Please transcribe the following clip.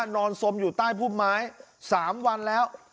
นอนสมอยู่ใต้พุ่มไม้๓วันแล้ว